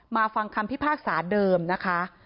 ฟังคำพิพากษาเดิมนะคะ